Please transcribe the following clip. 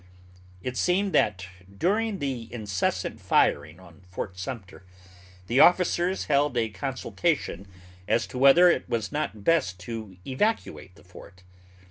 It seems that during the incessant firing on Fort Sumter the officers held a consultation as to whether it was not best to evacuate the fort.